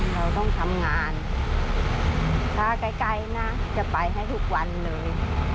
เราต้องทำงานถ้าไกลนะจะไปให้ทุกวันเลย